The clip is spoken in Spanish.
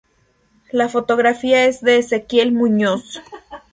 La fotografía es de Ezequiel Muñoz.